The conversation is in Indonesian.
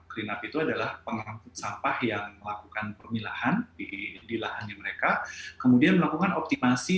clean up itu adalah pengangkut sampah yang melakukan pemilahan di lahannya mereka kemudian melakukan optimasi